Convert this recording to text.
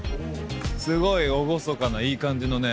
すごい厳かないい感じのね